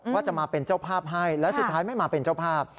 ว่าจะมาเป็นเจ้าภาพให้และสุดท้ายไม่มาเป็นเจ้าภาพ